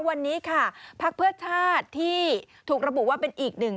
วันนี้ค่ะพักเพื่อชาติที่ถูกระบุว่าเป็นอีกหนึ่ง